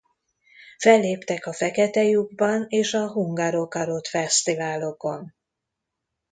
Felléptek a Fekete Lyuk-ban és a Hungaro Carot fesztiválokon.